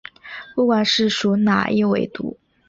不管是属哪一纬度。